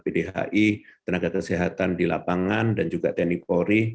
pdhi tenaga kesehatan di lapangan dan juga tni polri